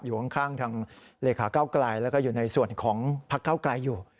อยู่ข้างทางเลขาเก้าไกลแล้วก็อยู่ในส่วนของพักเก้าไกลอยู่